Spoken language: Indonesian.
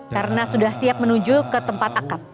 karena sudah siap menuju ke tempat akad